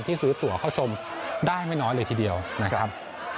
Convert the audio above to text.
ซื้อตัวเข้าชมได้ไม่น้อยเลยทีเดียวนะครับ